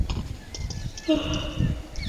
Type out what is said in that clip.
但文征明幼时并不聪慧。